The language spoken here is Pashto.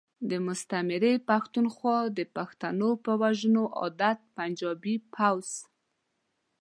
د مستعمرې پختونخوا د پښتنو په وژنو عادت پنجابی فوځ.